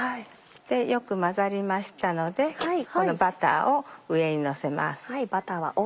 よく混ざりましたのでこのバターを上にのせます。